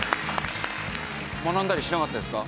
学んだりしなかったですか？